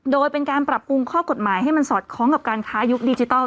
โดยเป็นการปรับปรุงข้อกฎหมายให้มันสอดคล้องกับการค้ายุคดิจิทัล